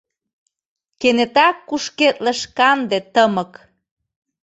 Кенета кушкедлыш канде тымык.